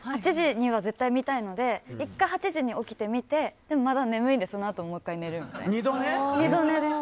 ８時には絶対に見たいので１回８時に起きて、見てでもまだ眠いのでそのあと、もう１回寝るみたいな。